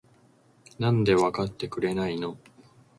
なんでわかってくれないの？？